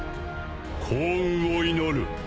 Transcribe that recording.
幸運を祈る。